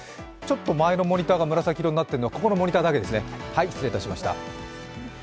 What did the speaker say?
ちょっと前のモニターが紫色になっているのは、ここのモニターだけですね、失礼いたしました。